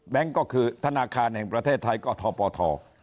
ก็คือธนาคารแห่งประเทศไทยก็ทปท